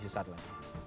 di saat lain